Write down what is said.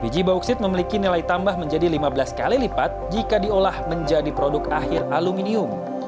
biji bauksit memiliki nilai tambah menjadi lima belas kali lipat jika diolah menjadi produk akhir aluminium